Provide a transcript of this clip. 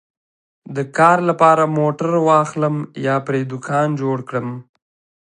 د کار لپاره موټر واخلم یا پرې دوکان جوړ کړم